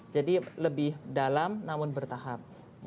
jadi lebih dalam namun bertahap